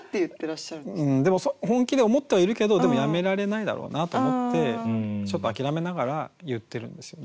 でも本気で思ってはいるけどでもやめられないだろうなと思ってちょっと諦めながら言ってるんですよね。